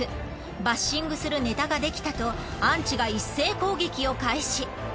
バッシングするネタができたとアンチが一斉攻撃を開始。